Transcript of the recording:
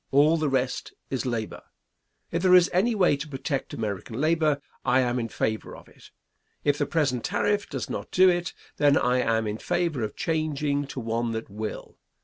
All the rest is labor. If there is any way to protect American labor, I am in favor of it. If the present tariff does not do it, then I am in favor of changing to one that will.